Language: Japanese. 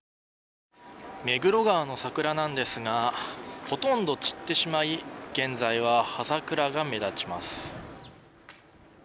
目黒川の桜なんですがほとんど散ってしまい現在は葉桜が目立ちます。